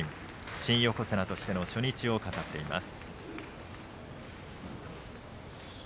新横綱としての初日を飾っています。